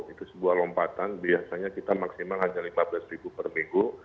itu sebuah lompatan biasanya kita maksimal hanya lima belas ribu per minggu